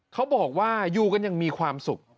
เขาบอกว่าอยู่กันอย่างมีความสุข